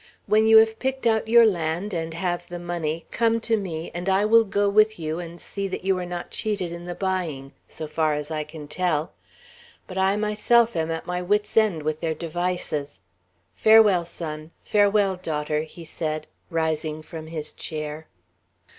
When you have picked out your land, and have the money, come to me, and I will go with you and see that you are not cheated in the buying, so far as I can tell; but I myself am at my wit's ends with their devices. Farewell, son! Farewell, daughter!" he said, rising from his chair.